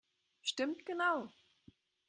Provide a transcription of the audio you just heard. Stimmt genau!